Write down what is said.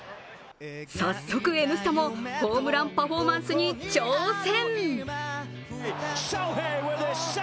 早速、「Ｎスタ」もホームランパフォーマンスに挑戦。